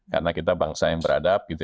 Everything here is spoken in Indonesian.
karena kita bangsa yang berada di negara ini